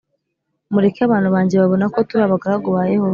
Mureke abantu bajye babona ko turi abagaragu ba Yehova